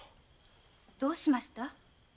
どうしました？